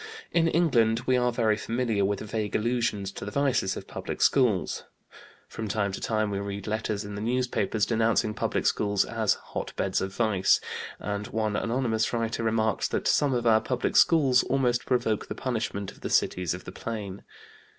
In England we are very familiar with vague allusions to the vices of public schools. From time to time we read letters in the newspapers denouncing public schools as "hot beds of vice" and one anonymous writer remarks that "some of our public schools almost provoke the punishment of the cities of the Plain."